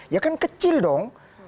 ya kan kecil dong